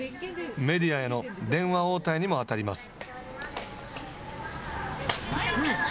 メディアへの電話対応にも当たります。